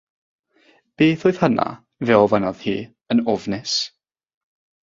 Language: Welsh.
Beth oedd hynna? fe ofynnodd hi, yn ofnus.